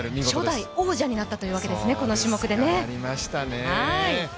初代王者になったということですね、この種目で。